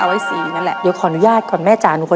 แล้ววันนี้ผมมีสิ่งหนึ่งนะครับเป็นตัวแทนกำลังใจจากผมเล็กน้อยครับ